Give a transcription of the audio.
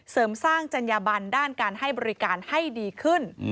เสริมสร้างจัญญาบันด้านการให้บริการให้ดีขึ้น